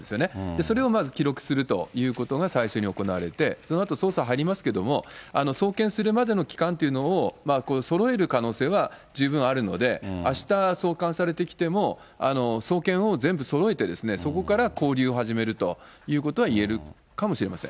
それをまず記録するということが最初に行われて、そのあと、捜査入りますけども、送検するまでの期間というのをそろえる可能性は十分あるので、あした送還されてきてもそうけんを全部そろえて、そこから勾留を始めるということはいえるかもしれません。